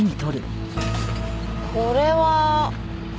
これは。